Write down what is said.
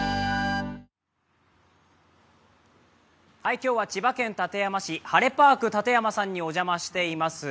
今日は千葉県館山市晴れパークたてやまさんにお邪魔しています。